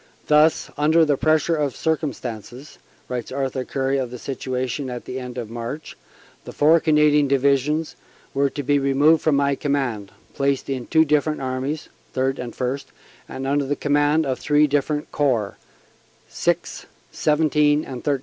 "Thus, under the pressure of circum stances," writes Sir Arthur Currie of the situation at the end of March, "the four Canadian Divisions were to be removed from my command, placed in two different armies (Third and First), and under command of three different Corps (VI, XVII and XIII).